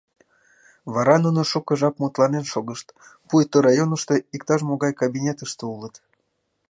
Вара нуно шуко жап мутланен шогышт, пуйто районышто, иктаж могай кабинетыште улыт.